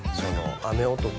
雨男